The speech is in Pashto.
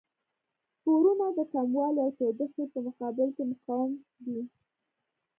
سپورونه د کموالي او تودوخې په مقابل کې مقاوم دي.